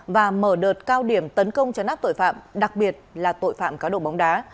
và mở đợt cao điểm tấn công chấn áp tội phạm đặc biệt là tội phạm cá độ bóng đá